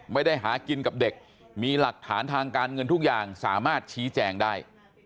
ไม่ได้หากินกับเด็กมีหลักฐานทางการเงินทุกอย่างสามารถชี้แจงได้